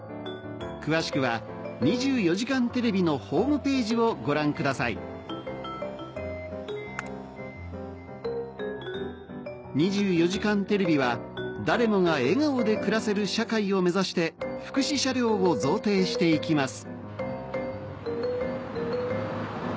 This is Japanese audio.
詳しくは『２４時間テレビ』のホームページをご覧ください『２４時間テレビ』は誰もが笑顔で暮らせる社会を目指して福祉車両を贈呈していきます